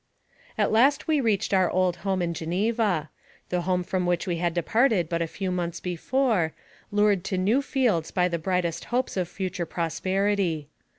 At last we reached our old home in Geneva; the home from which we had departed but a few months before, lured to new fields by the brightest hopes of future prosperity.